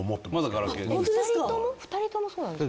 ２人ともそうなんですか？